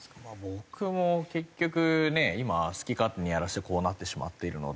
僕も結局ね今好き勝手にやらせてこうなってしまっているので。